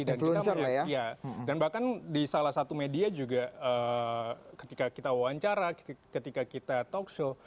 dan bahkan di salah satu media juga ketika kita wawancara ketika kita talkshow